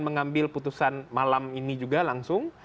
mengambil putusan malam ini juga langsung